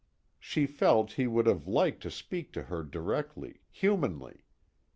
She felt he would have liked to speak to her directly, humanly.